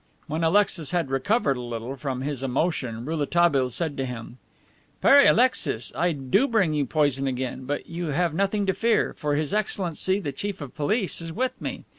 When Alexis had recovered a little from his emotion Rouletabille said to him: "Pere Alexis, I do bring you poison again, but you have nothing to fear, for His Excellency the Chief of Police is with me.